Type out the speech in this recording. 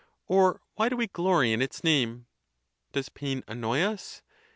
or why do we glory in its name? Does pain annoy us?